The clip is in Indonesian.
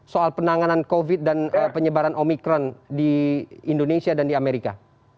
soal penanganan covid dan penyebaran omikron di indonesia dan di amerika